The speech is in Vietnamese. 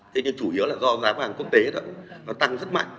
thế nhưng chủ yếu là do giá vàng quốc tế thôi nó tăng rất mạnh